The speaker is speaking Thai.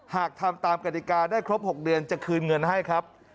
หากทำตามกฎิกาได้ครบ๖เดือนจะคืนเงินให้ครับ